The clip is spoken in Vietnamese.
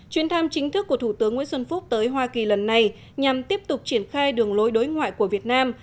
chuyến thăm chính thức của thủ tướng nguyễn xuân phúc tới hoa kỳ lần này nhằm tiếp tục triển khai đường lối đối ngoại của việt nam